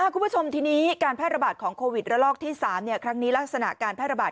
คุณผู้ชมทีนี้การแพร่ระบาดของโควิดระลอกที่๓ครั้งนี้ลักษณะการแพร่ระบาด